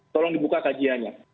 tolong dibuka kajiannya